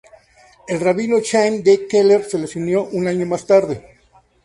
El Rabino Chaim D. Keller se les unió un año más tarde.